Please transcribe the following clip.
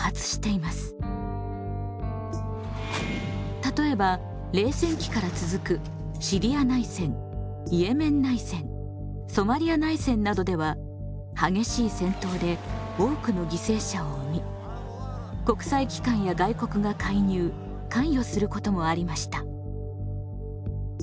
例えば冷戦期から続くシリア内戦イエメン内戦ソマリア内戦などでは激しい戦闘で多くの犠牲者を生み国際機関や外国が介入関与することもありました。